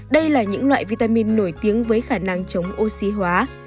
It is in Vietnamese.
đây là những loại vitamin nổi tiếng với khả năng chống oxy hóa